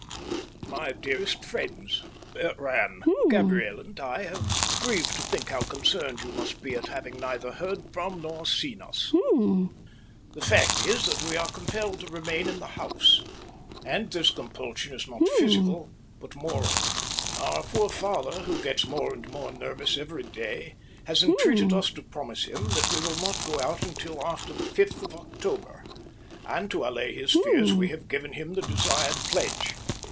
"MY DEAREST FRIENDS," it ran, "Gabriel and I have grieved to think how concerned you must be at having neither heard from nor seen us. The fact is that we are compelled to remain in the house. And this compulsion is not physical but moral. "Our poor father, who gets more and more nervous every day, has entreated us to promise him that we will not go out until after the fifth of October, and to allay his fears we have given him the desired pledge.